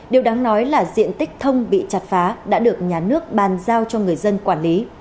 điều đáng nói là diện tích thông bị chặt phá đã được nhà nước bàn giao cho người dân quản lý